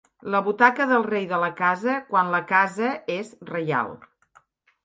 La butaca del rei de la casa, quan la casa és reial.